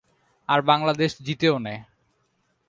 আর Bangladesh জিতেও নেয়।